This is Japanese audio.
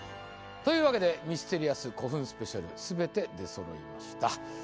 というわけで「ミステリアス古墳スペシャル」全て出そろいました。